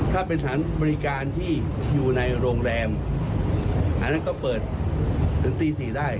ถ้าเป็นสถานบริการที่อยู่ในโรงแรมอันนั้นก็เปิดถึงตี๔ได้